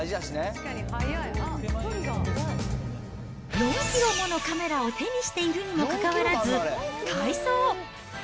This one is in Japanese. ４キロものカメラを手にしているにもかかわらず、快走。